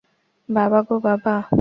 বাবা গো বাবা।